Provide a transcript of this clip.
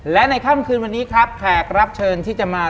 และในค่ำคืนวันนี้ครับแขกรับเชิญที่จะมา